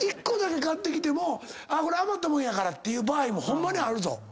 １個だけ買ってきてもこれ余ったもんやからって言う場合もホンマにあるぞ。